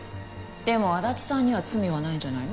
でも安達さんには罪はないんじゃないの？